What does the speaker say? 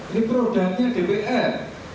ini produknya dpr